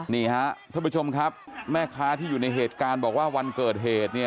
นี่ฮะท่านผู้ชมครับแม่ค้าที่อยู่ในเหตุการณ์บอกว่าวันเกิดเหตุเนี่ย